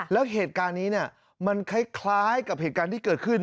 แล้วเหตุการณ์นี้มันคล้ายกับเหตุการณ์ที่เกิดขึ้น